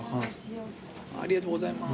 ありがとうございます。